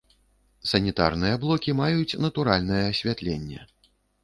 Санітарныя блокі маюць натуральнае асвятленне.